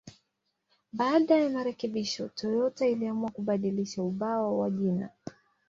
Baada ya marekebisho, Toyota iliamua kubadilisha ubao wa jina.